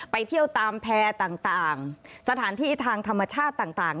ไปเที่ยวตามแพร่ต่างสถานที่ทางธรรมชาติต่าง